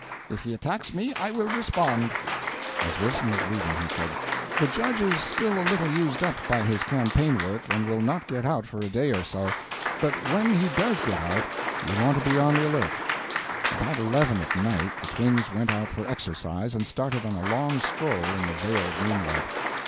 If he attacks me I will respond." As Wilson was leaving, he said "The Judge is still a little used up by his campaign work, and will not get out for a day or so; but when he does get out, you want to be on the alert." About eleven at night the twins went out for exercise, and started on a long stroll in the veiled moonlight.